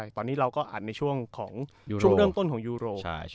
ตอนนี้เราก็อ่านในช่วงช่วงรูปต้นของยูโร